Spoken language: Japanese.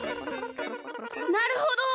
なるほど！